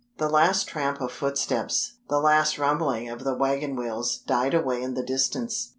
The last tramp of footsteps, the last rumbling of the wagon wheels, died away in the distance.